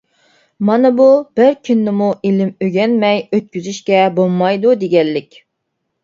مانا بۇ، بىر كۈننىمۇ ئىلىم ئۆگەنمەي ئۆتكۈزۈشكە بولمايدۇ دېگەنلىك.